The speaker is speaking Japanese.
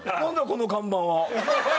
この看板は。